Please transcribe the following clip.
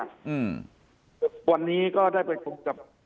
ทุกวันนี้ก็ได้ไปคุมจับ